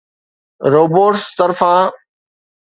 robots طرفان